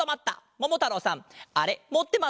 ももたろうさんあれもってますか？